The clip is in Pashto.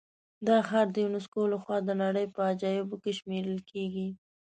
دا ښار د یونسکو له خوا د نړۍ په عجایبو کې شمېرل کېږي.